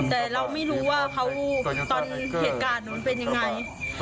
แต่เราไม่รู้ว่าเขาตอนเหตุการณ์หนูเป็นยังไง